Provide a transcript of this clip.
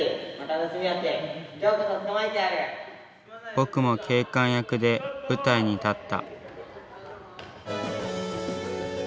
僕も警官役で舞台に立った。